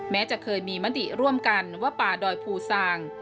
แม้จะเคยมีมติร่วมกันว่าป่าดอยภูซาง